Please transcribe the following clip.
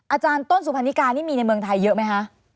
อาจารย์ต้นสุพรรณิกานี่มีในเมืองไทยเยอะไหมคะ